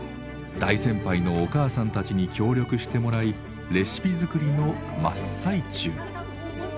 大先輩のおかあさんたちに協力してもらいレシピづくりの真っ最中。